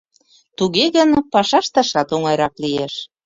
Туге гын, паша ышташат оҥайрак лиеш».